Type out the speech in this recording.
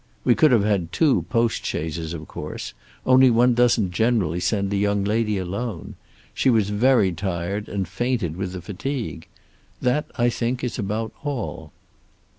We could have had two postchaises, of course, only one doesn't generally send a young lady alone. She was very tired and fainted with the fatigue. That I think is about all."